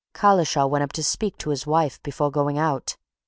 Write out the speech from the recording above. Collishaw went up to speak to his wife before going out.